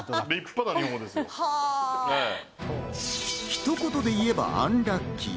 ひと言で言えば、アンラッキー。